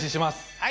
はい！